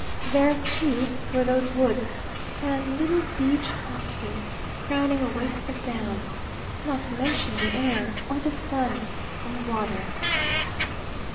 There, too, were those woods, and little beech copses, crowning a waste of down. Not to mention the air, or the sun, or water.